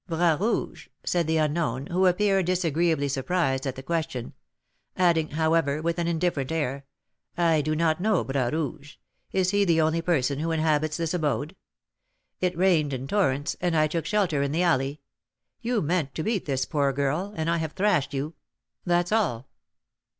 "Bras Rouge?" said the unknown, who appeared disagreeably surprised at the question; adding, however, with an indifferent air, "I do not know Bras Rouge. Is he the only person who inhabits this abode? It rained in torrents, and I took shelter in the alley. You meant to beat this poor girl, and I have thrashed you, that's all."